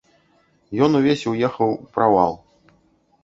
Ён увесь уехаў у правал.